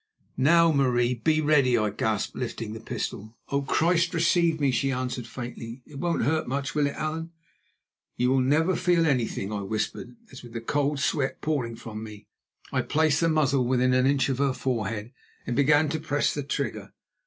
"Now, Marie, be ready," I gasped, lifting the pistol. "Oh, Christ receive me!" she answered faintly. "It won't hurt much, will it, Allan?" "You will never feel anything," I whispered; as with the cold sweat pouring from me I placed the muzzle within an inch of her forehead and began to press the trigger.